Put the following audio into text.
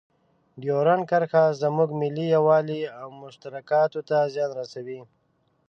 ډیورنډ کرښه زموږ ملي یووالي او مشترکاتو ته زیان رسوي.